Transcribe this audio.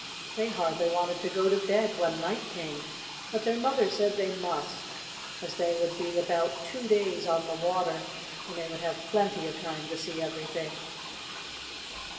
They hardly wanted to go to bed when night came, but their mother said they must, as they would be about two days on the water, and they would have plenty of time to see everything.